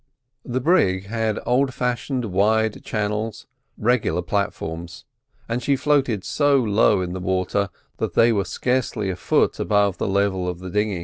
The brig had old fashioned wide channels, regular platforms; and she floated so low in the water that they were scarcely a foot above the level of the dinghy.